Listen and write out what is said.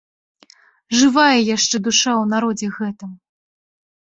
Жывая яшчэ душа ў народзе гэтым.